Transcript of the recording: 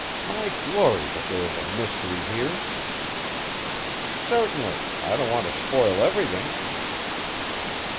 My glory, but there is a mystery here. Certainly, I don't want to spoil everything.